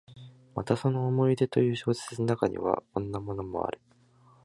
またその「思い出」という小説の中には、こんなのもある。